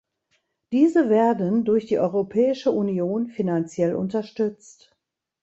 Diese werden durch die Europäische Union finanziell unterstützt.